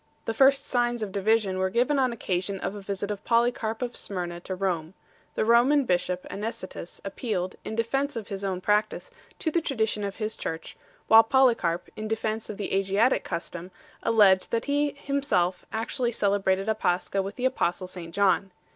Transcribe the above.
The first signs of division were given on occasion of a visit of Polycarp of Smyrna to Rome. The Roman bishop Anicetus appealed, in defence of his own practice, to the tradition of his Church, while Polycarp, in defence of the Asiatic custom, alleged that he had himself actually celebrated a Pascha with the Apostle St John.